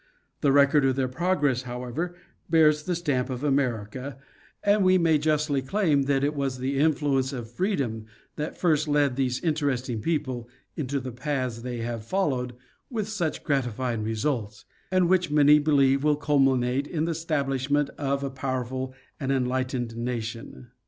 The record of their progress, however, bears the stamp of America, and we may justly claim that it was the influence of freedom that first led these interesting people into the paths they have followed with such gratifying results, and which many believe will culminate in the establishment of a pow erful and enlightened nation.